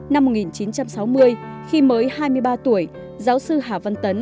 năm một nghìn chín trăm sáu mươi khi mới hai mươi ba tuổi giáo sư hà văn tấn